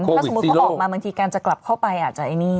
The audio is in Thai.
ถ้าสมมุติเขาออกมาบางทีการจะกลับเข้าไปอาจจะไอ้นี่